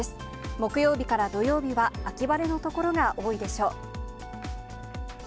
木曜日から土曜日は秋晴れの所が多いでしょう。